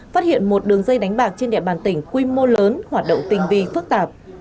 phát hiện một đường dây đánh bạc trên địa bàn tỉnh quy mô lớn hoạt động tình vi phức tạp